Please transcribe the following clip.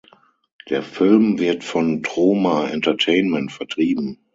Der Film wird von Troma Entertainment vertrieben.